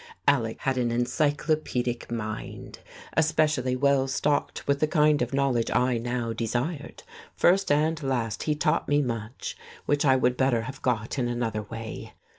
Alec had an encyclopaedic mind, especially well stocked with the kind of knowledge I now desired; first and last he taught me much, which I would better have got in another way.